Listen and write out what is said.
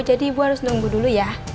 jadi saya harus pergi dulu